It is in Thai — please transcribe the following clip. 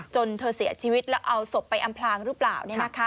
จนเธอเสียชีวิตแล้วเอาศพไปอำพลางหรือเปล่า